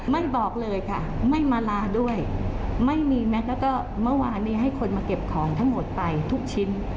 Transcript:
บอกเลยค่ะไม่มาลาด้วยไม่มีแม็กซแล้วก็เมื่อวานนี้ให้คนมาเก็บของทั้งหมดไปทุกชิ้น